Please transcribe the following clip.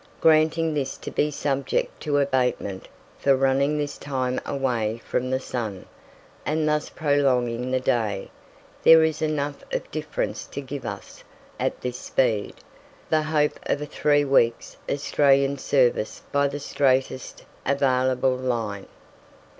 Granting this to be subject to abatement for running this time away from the sun, and thus prolonging the day, there is enough of difference to give us, at this speed, the hope of a three weeks' Australian service by the straightest available line.